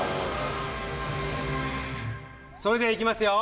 それでは行きますよ。